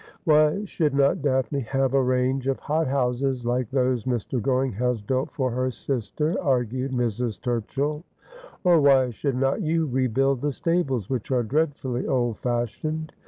' Why should not Daphne have a range of hot houses like those Mr. Goring has built for her sister ?' argued Mrs. Turchill. ' Or why should not you rebuild the stables, which are dreadfully old fashioned